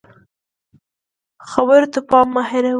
خبرو ته پام مه هېروه